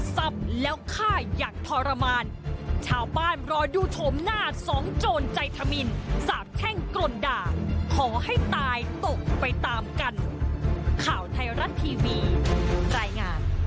ใส่งาน